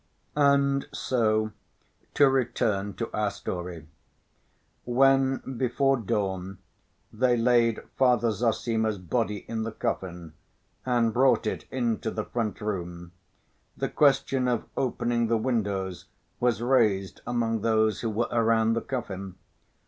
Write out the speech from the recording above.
And so, to return to our story. When before dawn they laid Father Zossima's body in the coffin and brought it into the front room, the question of opening the windows was raised among those who were around the coffin.